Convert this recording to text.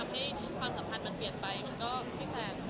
ในสมบันวนหนาวไม่เจอทรงตัว